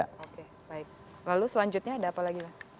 oke baik lalu selanjutnya ada apa lagi mas